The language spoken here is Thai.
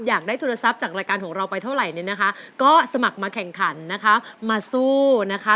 อยากได้ทุนทรัพย์จากรายการของเราไปเท่าไหร่เนี่ยนะคะก็สมัครมาแข่งขันนะคะมาสู้นะคะ